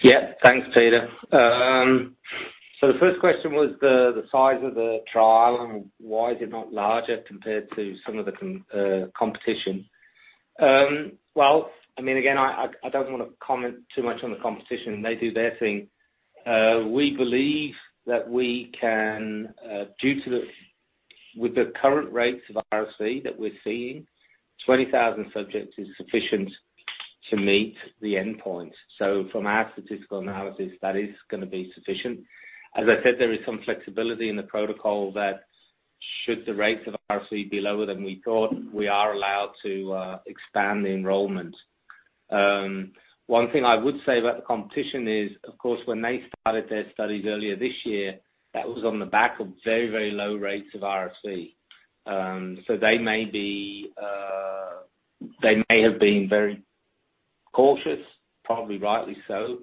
Yeah. Thanks, Peter. The first question was the size of the trial and why is it not larger compared to some of the competition. I mean, again, I don't wanna comment too much on the competition. They do their thing. We believe that with the current rates of RSV that we're seeing, 20,000 subjects is sufficient to meet the endpoint. From our statistical analysis, that is gonna be sufficient. As I said, there is some flexibility in the protocol that should the rates of RSV be lower than we thought, we are allowed to expand the enrollment. One thing I would say about the competition is, of course, when they started their studies earlier this year, that was on the back of very low rates of RSV. They may have been very cautious, probably rightly so,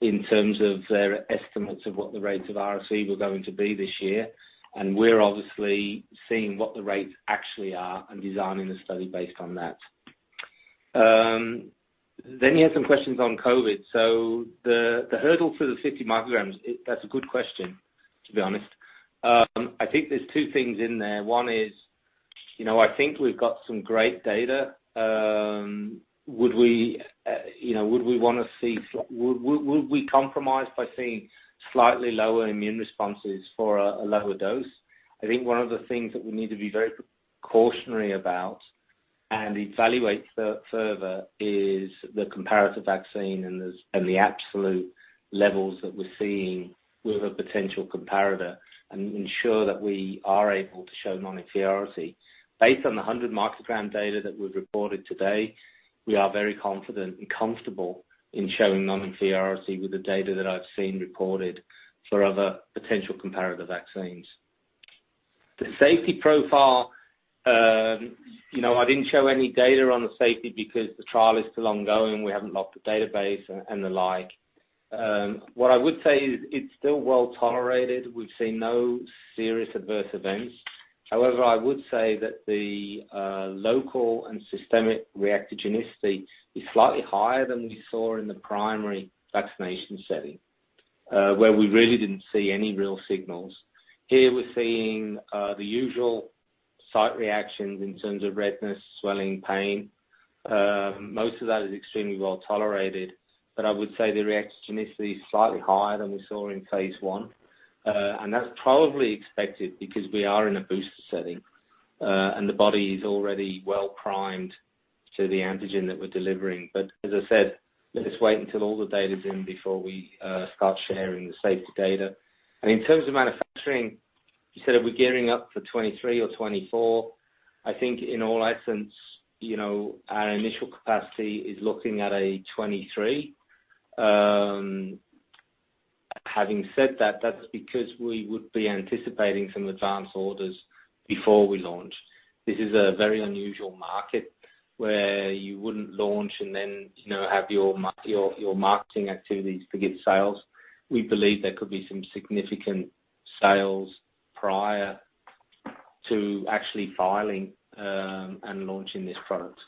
in terms of their estimates of what the rates of RSV were going to be this year. We're obviously seeing what the rates actually are and designing the study based on that. You had some questions on COVID. The hurdle for the 50 micrograms, that's a good question, to be honest. I think there's two things in there. One is, you know, I think we've got some great data. Would we compromise by seeing slightly lower immune responses for a lower dose? I think one of the things that we need to be very cautionary about and evaluate further is the comparative vaccine and the absolute levels that we're seeing with a potential comparator and ensure that we are able to show non-inferiority. Based on the 100 microgram data that we've reported today, we are very confident and comfortable in showing non-inferiority with the data that I've seen reported for other potential comparative vaccines. The safety profile, you know, I didn't show any data on the safety because the trial is still ongoing. We haven't locked the database and the like. What I would say is it's still well tolerated. We've seen no serious adverse events. However, I would say that the local and systemic reactogenicity is slightly higher than we saw in the primary vaccination setting, where we really didn't see any real signals. Here, we're seeing the usual site reactions in terms of redness, swelling, pain. Most of that is extremely well-tolerated, but I would say the reactogenicity is slightly higher than we saw in phase I. That's probably expected because we are in a booster setting, and the body is already well-primed to the antigen that we're delivering. As I said, let us wait until all the data's in before we start sharing the safety data. In terms of manufacturing, you said are we gearing up for 2023 or 2024. I think in all essence, you know, our initial capacity is looking at a 2023. Having said that's because we would be anticipating some advanced orders before we launch. This is a very unusual market where you wouldn't launch and then, you know, have your marketing activities to get sales. We believe there could be some significant sales prior to actually filing, and launching this product.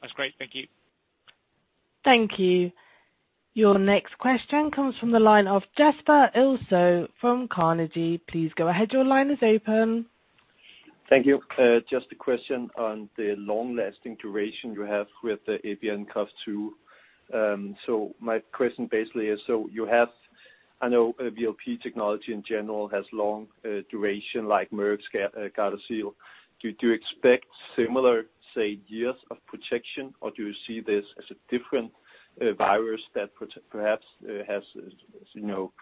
That's great. Thank you. Thank you. Your next question comes from the line of Jesper Ilsøe from Carnegie. Please go ahead, your line is open. Thank you. Just a question on the long-lasting duration you have with the ABNCoV2. My question basically is, I know VLP technology in general has long duration like Merck's Gardasil. Do you expect similar, say, years of protection, or do you see this as a different virus that perhaps has, as you know,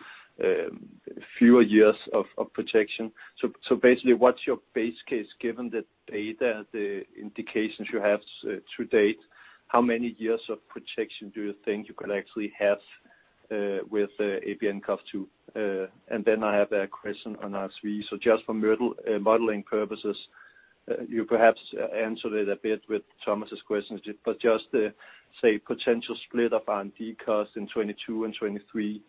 fewer years of protection? Basically, what's your base case given the data, the indications you have to date, how many years of protection do you think you could actually have with ABNCoV2? And then I have a question on RSV. Just for modeling purposes, you perhaps answered it a bit with Thomas' questions, but just the, say, potential split of R&D costs in 2022 and 2023.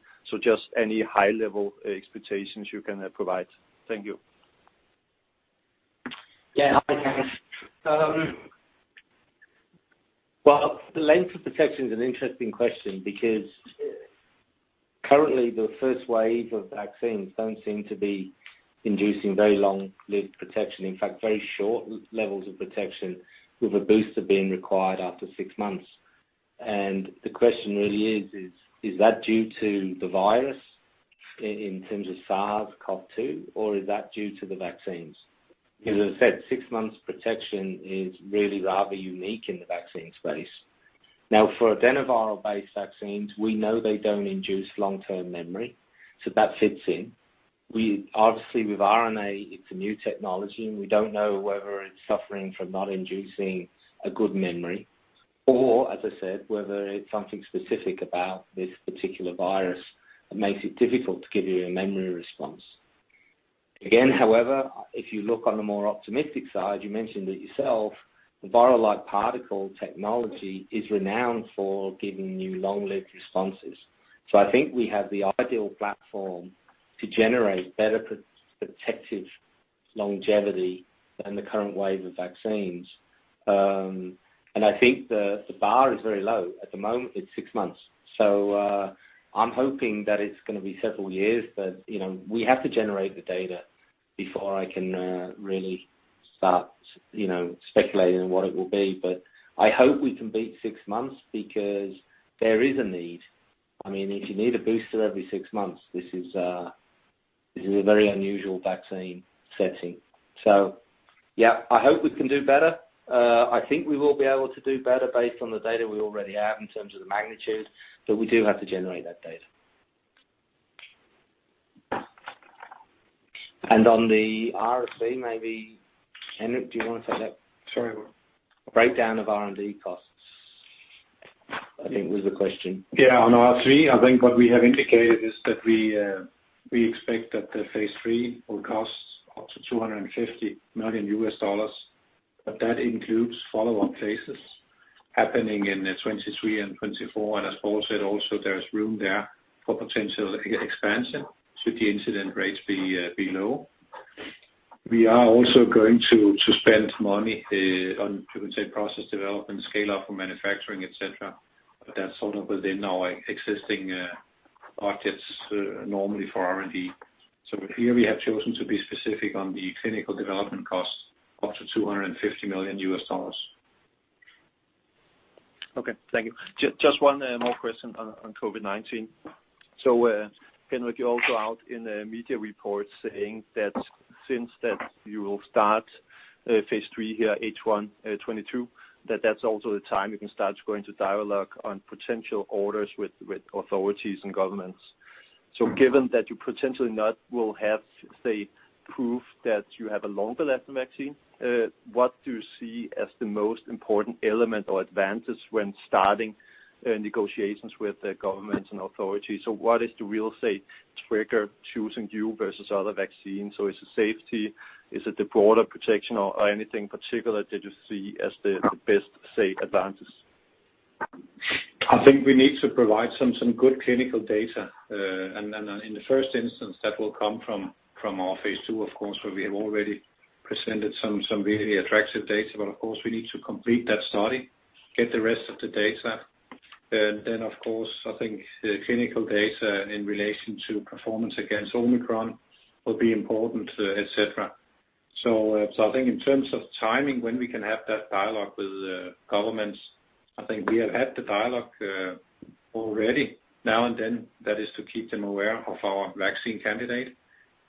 Just any high-level expectations you can provide? Thank you. Yeah. Hi, Jesper. The length of protection is an interesting question because currently the first wave of vaccines don't seem to be inducing very long-lived protection. In fact, very short levels of protection with a booster being required after six months. The question really is that due to the virus in terms of SARS-CoV-2, or is that due to the vaccines? Because as I said, six months protection is really rather unique in the vaccine space. Now, for adenoviral-based vaccines, we know they don't induce long-term memory, so that fits in. We obviously with RNA, it's a new technology, and we don't know whether it's suffering from not inducing a good memory, or, as I said, whether it's something specific about this particular virus that makes it difficult to give you a memory response. Again, however, if you look on the more optimistic side, you mentioned it yourself, the virus-like particle technology is renowned for giving you long-lived responses. I think we have the ideal platform to generate better protective longevity than the current wave of vaccines. And I think the bar is very low. At the moment, it's six months. I'm hoping that it's gonna be several years. You know, we have to generate the data before I can really start, you know, speculating on what it will be. I hope we can beat six months because there is a need. I mean, if you need a booster every six months, this is a very unusual vaccine setting. Yeah, I hope we can do better. I think we will be able to do better based on the data we already have in terms of the magnitude, but we do have to generate that data. On the RSV, maybe, Henrik, do you wanna take that? Sorry. Breakdown of R&D costs, I think was the question. Yeah. On R3, I think what we have indicated is that we expect that the phase III will cost up to $250 million, but that includes follow-on phases happening in 2023 and 2024. As Paul said, also, there's room there for potential expansion should the incidence rates be low. We are also going to spend money on, you could say, process development, scale-up for manufacturing, et cetera, but that's sort of within our existing budgets normally for R&D. Here we have chosen to be specific on the clinical development costs up to $250 million. Okay. Thank you. Just one more question on COVID-19. Henrik, you're also out in the media reports saying that since you will start phase III here H1 2022, that's also the time you can start going to dialogue on potential orders with authorities and governments. Given that you potentially not will have, say, proof that you have a longer-lasting vaccine, what do you see as the most important element or advantage when starting negotiations with the governments and authorities? What is the real, say, trigger choosing you versus other vaccines? Is it safety? Is it the broader protection or anything particular that you see as the best advantage? I think we need to provide some good clinical data. In the first instance, that will come from our phase II, of course, where we have already presented some really attractive data. Of course, we need to complete that study, get the rest of the data. Of course, I think the clinical data in relation to performance against Omicron will be important, et cetera. I think in terms of timing, when we can have that dialogue with governments, I think we have had the dialogue already now and then. That is to keep them aware of our vaccine candidate.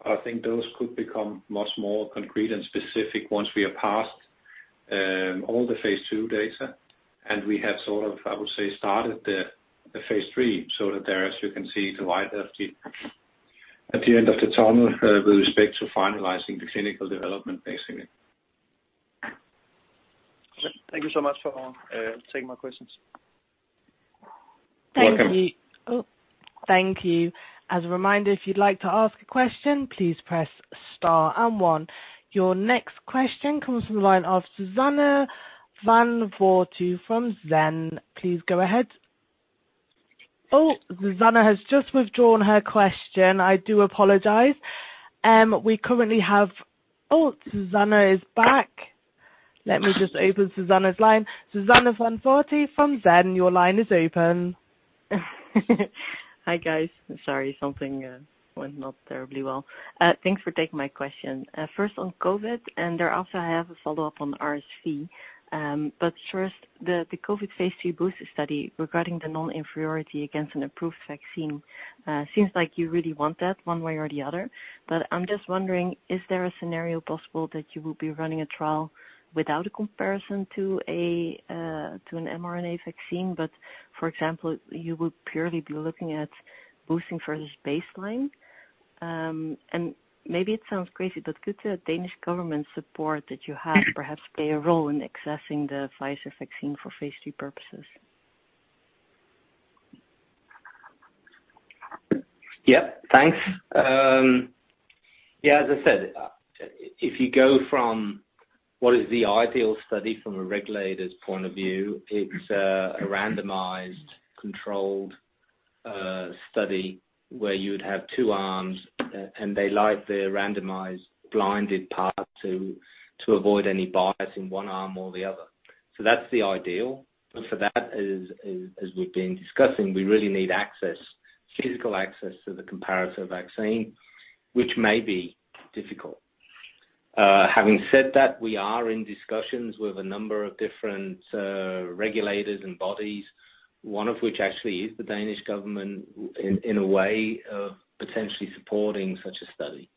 I think those could become much more concrete and specific once we are past all the phase II data and we have sort of, I would say, started the phase III, so that there, as you can see, the light at the end of the tunnel with respect to finalizing the clinical development, basically. Thank you so much for taking my questions. Welcome. Thank you. Oh, thank you. As a reminder, if you'd like to ask a question, please press star and one. Your next question comes from the line of Suzanne van Voorthuizen from SEB. Please go ahead. Oh, Suzanne has just withdrawn her question. I do apologize. Oh, Suzanne is back. Let me just open Suzanne's line. Suzanne van Voorthuizen from Van Lanschot Kempen, your line is open. Hi, guys. Sorry, something went not terribly well. Thanks for taking my question. First on COVID, and then also I have a follow-up on RSV. First, the COVID phase III booster study regarding the non-inferiority against an approved vaccine seems like you really want that one way or the other. I'm just wondering, is there a scenario possible that you will be running a trial without a comparison to an mRNA vaccine, but for example, you would purely be looking at boosting versus baseline? And maybe it sounds crazy, but could the Danish government support that you have perhaps play a role in accessing the Pfizer vaccine for phase III purposes? Yeah, thanks. Yeah, as I said, if you go from what is the ideal study from a regulator's point of view, it's a randomized controlled study where you'd have two arms, and they like the randomized blinded part to avoid any bias in one arm or the other. That's the ideal. But for that, as we've been discussing, we really need access, physical access to the comparative vaccine, which may be difficult. Having said that, we are in discussions with a number of different regulators and bodies, one of which actually is the Danish government in a way of potentially supporting such a study.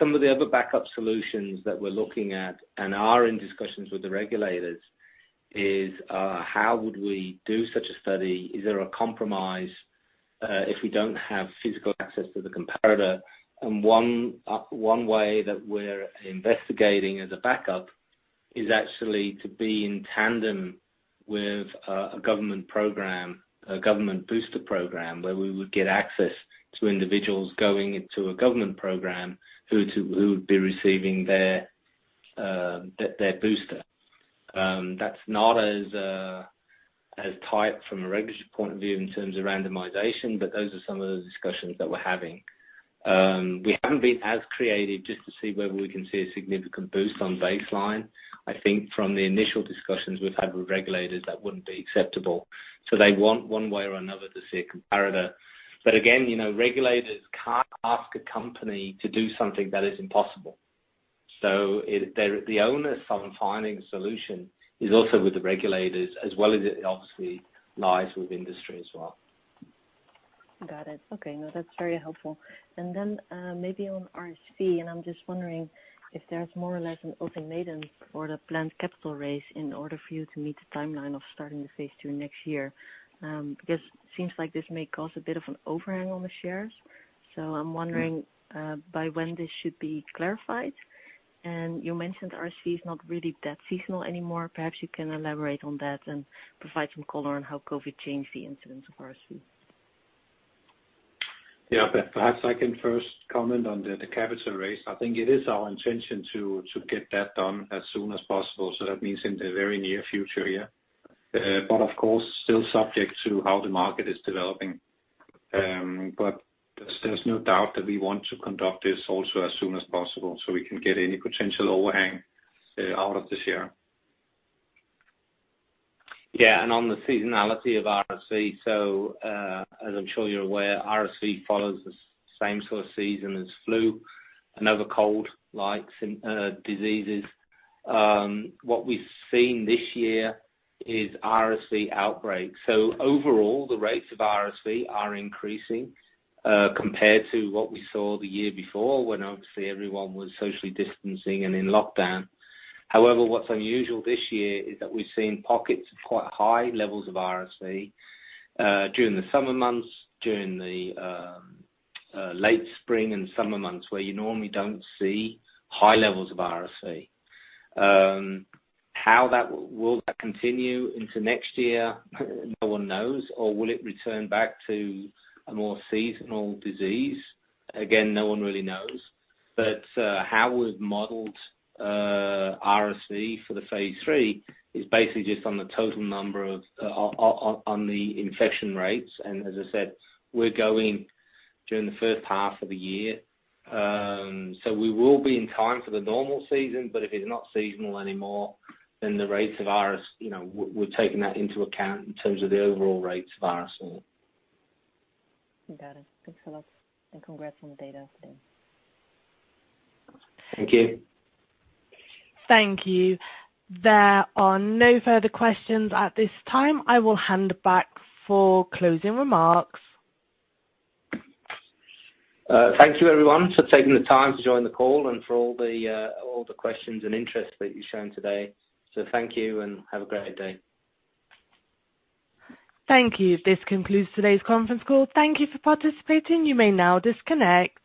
Some of the other backup solutions that we're looking at and are in discussions with the regulators is how would we do such a study? Is there a compromise, if we don't have physical access to the comparator? One way that we're investigating as a backup is actually to be in tandem with a government program, a government booster program where we would get access to individuals going into a government program who would be receiving their booster. That's not as tight from a regulatory point of view in terms of randomization, but those are some of the discussions that we're having. We haven't been as creative just to see whether we can see a significant boost on baseline. I think from the initial discussions we've had with regulators, that wouldn't be acceptable. They want one way or another to see a comparator. Again, you know, regulators can't ask a company to do something that is impossible. The onus of finding a solution is also with the regulators as well as it obviously lies with industry as well. Got it. Okay. No, that's very helpful. Then, maybe on RSV, and I'm just wondering if there's more or less an ultimatum for the planned capital raise in order for you to meet the timeline of starting the phase II next year. Because it seems like this may cause a bit of an overhang on the shares. I'm wondering, by when this should be clarified. You mentioned RSV is not really that seasonal anymore. Perhaps you can elaborate on that and provide some color on how COVID changed the incidence of RSV. Perhaps I can first comment on the capital raise. I think it is our intention to get that done as soon as possible. That means in the very near future. But of course, still subject to how the market is developing. But there's no doubt that we want to conduct this also as soon as possible so we can get any potential overhang out of this year. On the seasonality of RSV, as I'm sure you're aware, RSV follows the same sort of season as flu and other cold-like diseases. What we've seen this year is RSV outbreaks. Overall, the rates of RSV are increasing compared to what we saw the year before when obviously everyone was socially distancing and in lockdown. However, what's unusual this year is that we've seen pockets of quite high levels of RSV during the summer months, during the late spring and summer months where you normally don't see high levels of RSV. Will that continue into next year? No one knows. Or will it return back to a more seasonal disease? Again, no one really knows. How we've modeled RSV for the phase III is basically just on the total number of on the infection rates. As I said, we're going during the first half of the year. We will be in time for the normal season. If it's not seasonal anymore, then the rates of RSV, you know, we're taking that into account in terms of the overall rates of RSV. Got it. Thanks a lot, and congrats on the data. Thank you. Thank you. There are no further questions at this time. I will hand back for closing remarks. Thank you everyone for taking the time to join the call and for all the questions and interest that you've shown today. Thank you, and have a great day. Thank you. This concludes today's conference call. Thank you for participating. You may now disconnect.